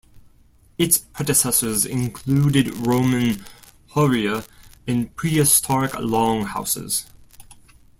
Its predecessors included Roman horrea and prehistoric longhouses.